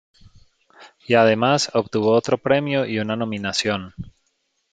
Y además obtuvo otro premio y una nominación.